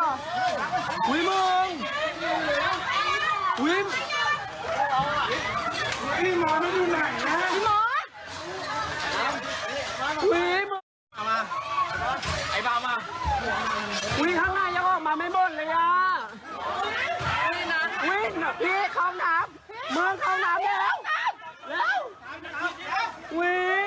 เมืองเข้าน้ำเดี๋ยว